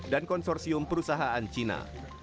dan konsorsium perusahaan cina